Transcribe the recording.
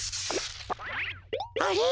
あれ！？